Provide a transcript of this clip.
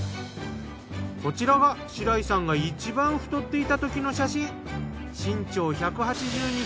こちらが白井さんがいちばん太っていたときの写真。